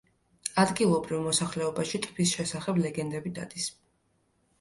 ადგილობრივ მოსახლეობაში ტბის შესახებ ლეგენდები დადის.